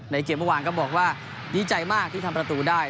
เกมเมื่อวานก็บอกว่าดีใจมากที่ทำประตูได้